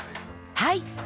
はい。